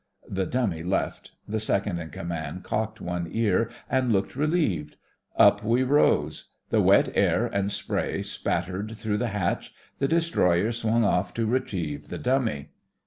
The dummy left; the second in command cocked one ear and looked relieved. Up we rose; the wet air and spray spattered through the hatch; the destroyer swung off to retrieve the dummy.